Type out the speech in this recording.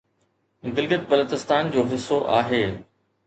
گلگت بلتستان جو حصو آهي